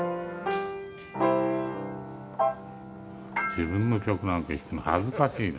自分の曲なんか弾くの恥ずかしいね。